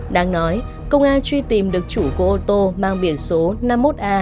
đáng nói công an truy tìm được chủ của ô tô mang biển số năm mươi một a chín mươi sáu nghìn ba mươi tám